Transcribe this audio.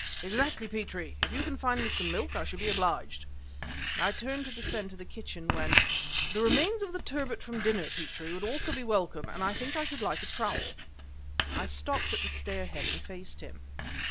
"Exactly, Petrie! If you can find me some milk, I shall be obliged." I turned to descend to the kitchen, when "The remains of the turbot from dinner, Petrie, would also be welcome, and I think I should like a trowel." I stopped at the stairhead and faced him.